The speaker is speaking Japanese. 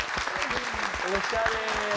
おしゃれ！